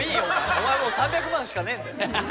お前もう３００万しかねえんだよ。